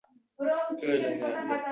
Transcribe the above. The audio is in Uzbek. Hadikning hassasi biz bilan